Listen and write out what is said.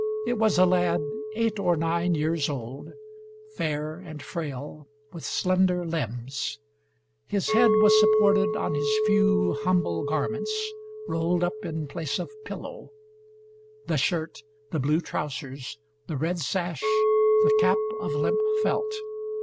It was a lad, eight or nine years old, fair and frail, with slender limbs. His head was supported on his few humble garments, rolled up in place of pillow, the shirt, the blue trousers, the red sash, the cap of limp felt.